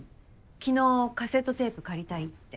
昨日カセットテープ借りたいって。